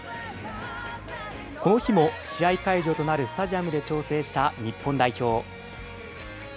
この日も試合会場となるスタジアムで調整した日本代表。